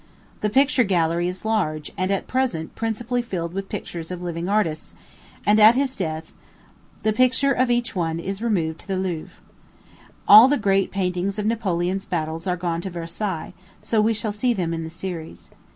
The picture gallery is large, and at present principally filled with pictures of living artists, and at his death the picture of each one is removed to the Louvre. All the great paintings of Napoleon's battles are gone to Versailles; so we shall see them in the series.